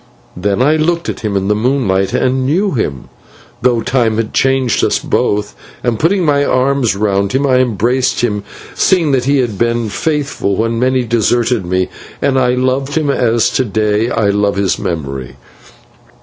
Then I looked at him in the moonlight and knew him, though time had changed us both, and, putting my arms round him, I embraced him, seeing that he had been faithful when many deserted me, and I loved him as to day I love his memory.